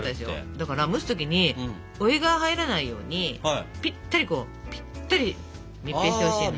だから蒸す時にお湯が入らないようにピッタリこうピッタリ密閉してほしいの。